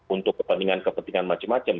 untuk kepentingan kepentingan macam macam